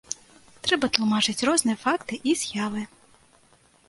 Трэба тлумачыць розныя факты і з'явы.